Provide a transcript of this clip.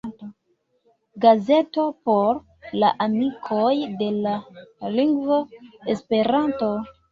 Gazeto por la amikoj de la lingvo Esperanto.